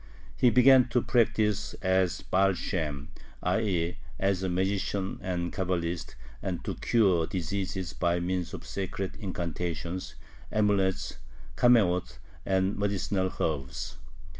He began to practice as a Baal Shem, i. e. as a magician and Cabalist and to cure diseases by means of secret incantations, amulets (kameoth), and medicinal herbs.